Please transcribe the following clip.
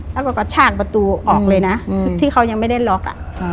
แล้วก็กระชากประตูออกเลยนะที่เขายังไม่ได้ล็อก